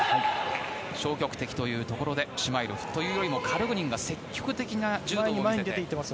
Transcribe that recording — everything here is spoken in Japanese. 消極的ということでシュマイロフというよりもカルグニンが積極的な柔道を見せています。